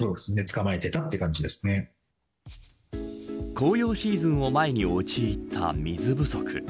紅葉シーズンを前に陥った水不足。